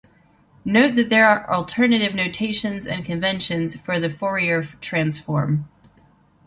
Note that there are alternative notations and conventions for the Fourier transform.